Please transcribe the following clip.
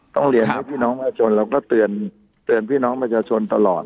ต้องเรียนให้พี่น้องประชาชนเราก็เตือนพี่น้องประชาชนตลอด